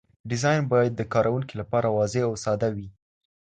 ډیزاین باید د کاروونکي لپاره واضح او ساده وي.